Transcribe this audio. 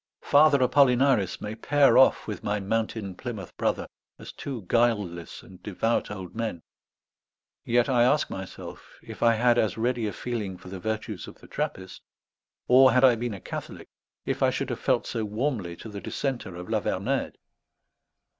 Father Apollinaris may pair off with my mountain Plymouth Brother as two guileless and devout old men; yet I ask myself if I had as ready a feeling for the virtues of the Trappist; or, had I been a Catholic, if I should have felt so warmly to the dissenter of La Vernède.